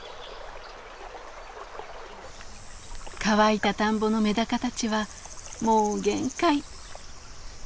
乾いた田んぼのメダカたちはもう限界！